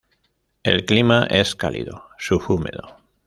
El clima es cálido subhúmedo.